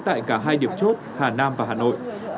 tại cả hai điểm chốt hà nam và hà nội